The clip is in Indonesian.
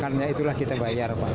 karena itulah kita bayar